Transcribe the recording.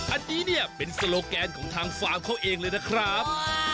อันนี้เนี่ยเป็นโซโลแกนของทางฟาร์มเขาเองเลยนะครับ